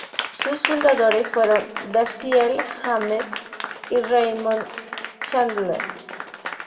Sus fundadores fueron Dashiell Hammett y Raymond Chandler.